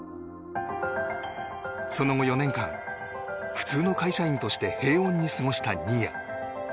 その後４年間普通の会社員として平穏に過ごした新谷。